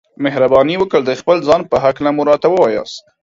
مهرباني وکړئ د خپل ځان په هکله مو راته ووياست.